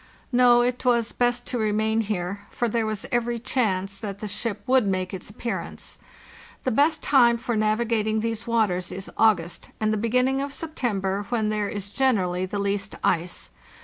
No, it was best to remain here, for there was every chance that the ship would make its appearance. The best time for navigating these waters is August and the beginning of September, when there is generally the least ice.